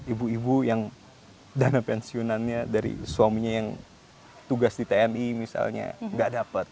ibu ibu yang dana pensiunannya dari suaminya yang tugas di tni misalnya nggak dapat